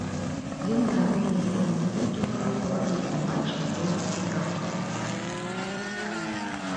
Ён мае розныя формы не толькі ў маёй галаве, ён мае шмат розных напрамкаў.